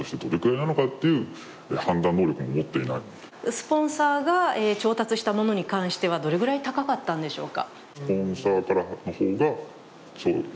スポンサーが調達したものに関しては、どれぐらい高かったのでしょうか。